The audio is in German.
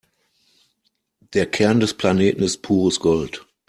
Der Kern des Planeten ist pures Gold.